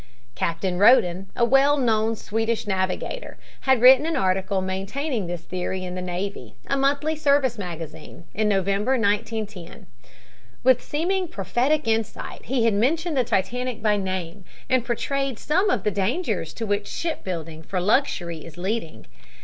Captain Roden, a well known Swedish navigator, had written an article maintaining this theory in the Navy, a monthly service magazine, in November, 1910. With seeming prophetic insight he had mentioned the Titanic by name and portrayed some of the dangers to which shipbuilding for luxury is leading.